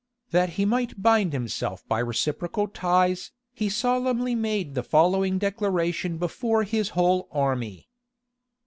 That he might bind himself by reciprocal ties, he solemnly made the following declaration before his whole army.